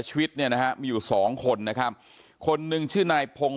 ชีวิตเนี่ยนะฮะมีอยู่สองคนนะครับคนหนึ่งชื่อนายพงศ